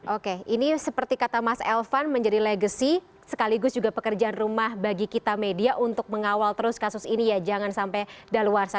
oke ini seperti kata mas elvan menjadi legacy sekaligus juga pekerjaan rumah bagi kita media untuk mengawal terus kasus ini ya jangan sampai daluarsa